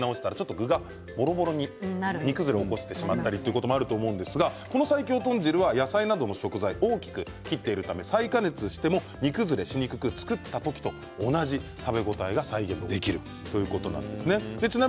食べようと温め直したら具がぼろぼろに煮崩れを起こしてしまったりということもあると思うんですがこの最強豚汁は野菜などの食材を大きく切っているため再加熱しても煮崩れしにくく作った時と同じ食べ応えが再現できるということです。